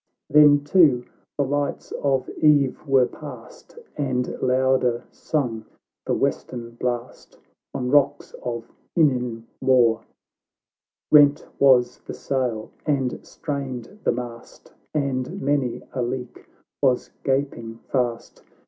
Then too the lights of eve were past, And louder sung the western blast On rocks of Inninmore ; Hent was the sail, and strained the mast, And many a leak was gaping fast.